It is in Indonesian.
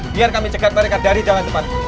biar kami cegat mereka dari jalan depan